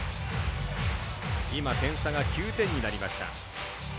点差が９点になりました。